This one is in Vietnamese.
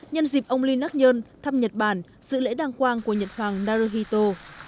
nhân dịp ông lee nắc nhơn thăm nhật bản dự lễ đàng quang của nhật hoàng naruhito